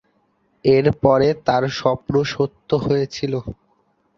এরপরে তার স্বপ্ন সত্য হয়েছিল।